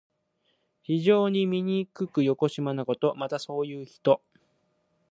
非常にみにくくよこしまなこと。また、そういう人。